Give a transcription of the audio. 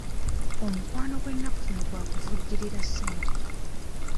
Omukwano gw'ennaku zino gwa kuvujjirira ssente.